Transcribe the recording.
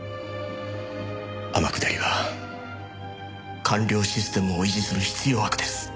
天下りは官僚システムを維持する必要悪です。